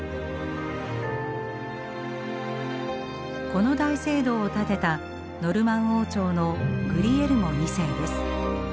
この大聖堂を建てたノルマン王朝のグリエルモ２世です。